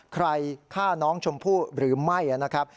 ใครฆ่าน้องชมพู่หรือไม่นะครับ